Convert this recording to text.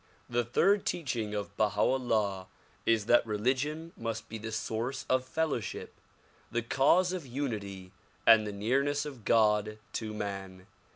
The third teaching of Baha 'Ullah is that religion must be the source of fellowship, the cause of unity and the nearness of God to man.